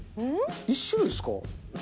１種類ですか？